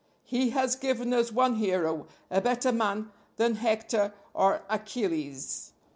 He has given us one hero, a better man than Hector or Achilles.